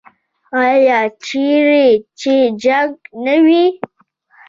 آیا چیرې چې جنګ نه وي؟